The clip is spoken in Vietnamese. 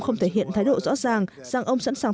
không thể hiện thái độ rõ ràng rằng ông sẵn sàng